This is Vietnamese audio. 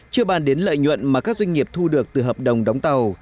chưa bàn đến lợi nhuận mà các doanh nghiệp thu được từ hợp đồng đóng tàu